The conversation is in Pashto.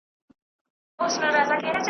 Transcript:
ننګول مي زیارتونه هغه نه یم .